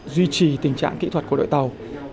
duy trì tình trạng kỹ thuật của đội tàu